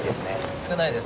少ないです。